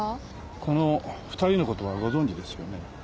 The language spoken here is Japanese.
この２人の事はご存じですよね？